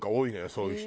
そういう人。